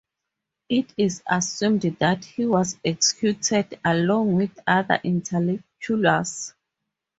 It is assumed that he was executed along with other intellectuals.